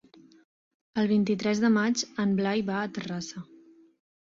El vint-i-tres de maig en Blai va a Terrassa.